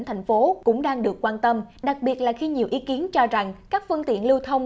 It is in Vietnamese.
thành phố cũng đang được quan tâm đặc biệt là khi nhiều ý kiến cho rằng các phương tiện lưu thông